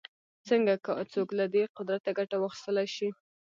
څنګه څوک له دې قدرته ګټه واخیستلای شي